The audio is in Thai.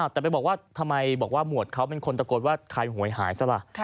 แต่ไปบอกว่าทำไมบอกว่าหมวดเขาเป็นคนตะโกนว่าใครหวยหายซะล่ะ